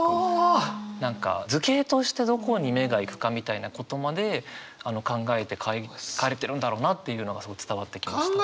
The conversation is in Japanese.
何か図形としてどこに目がいくかみたいなことまで考えて書かれてるんだろうなっていうのがすごい伝わってきました。